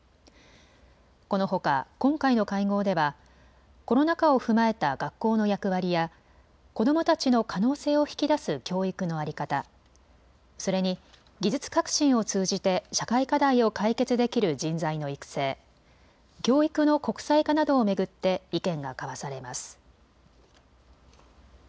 このほか今回の会合ではコロナ禍を踏まえた学校の役割や子どもたちの可能性を引き出す教育の在り方、それに技術革新を通じて社会課題を解決できる人材の育成、教育の国際化などを巡って意見が交わされます。